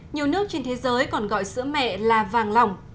nhiều nước trên thế giới còn gọi sữa mẹ là vàng lỏng